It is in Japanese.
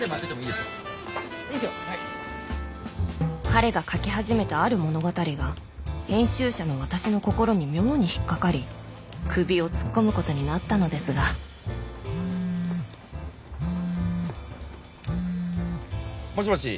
彼が書き始めたある物語が編集者の私の心に妙に引っ掛かり首を突っ込むことになったのですがもしもし。